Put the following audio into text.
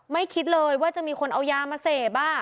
คิดเลยว่าจะมีคนเอายามาเสพ